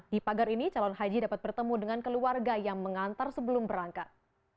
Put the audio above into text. di pagar ini calon haji dapat bertemu dengan keluarga yang mengantar sebelum berangkat